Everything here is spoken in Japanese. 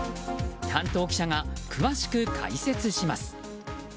担当記者が詳しく解説します。